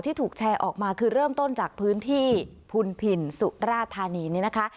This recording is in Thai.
ถูกแชร์ออกมาคือเริ่มต้นจากพื้นที่พุนพินสุราธานีนี่นะคะ